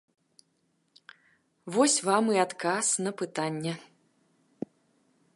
Вось вам і адказ на пытанне.